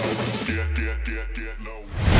โอ้โอ้โอ้